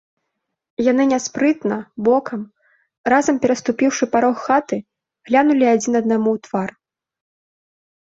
Яны няспрытна, бокам, разам пераступіўшы парог хаты, глянулі адзін аднаму ў твар.